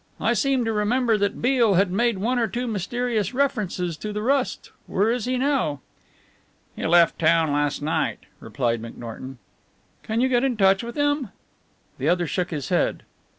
"I seem to remember that Beale had made one or two mysterious references to the Rust. Where is he now?" "He left town last night," replied McNorton. "Can you get in touch with him?" The other shook his head.